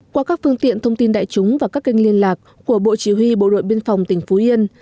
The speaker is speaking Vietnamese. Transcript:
qua các phương tiện thông tin đại chúng và các kênh liên lạc của bộ chỉ huy bộ đội biên phòng tỉnh phú yên